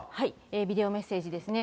ビデオメッセージですね。